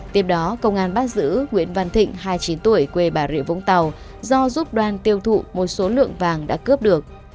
tiếp đó công an bắt giữ nguyễn văn thịnh hai mươi chín tuổi quê bà rịa vũng tàu do giúp đoan tiêu thụ một số lượng vàng đã cướp được